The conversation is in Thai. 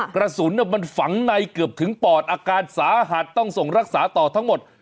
กระสุนมันฝังในเกือบถึงปอดอาการสาหัสต้องส่งรักษาต่อทั้งหมด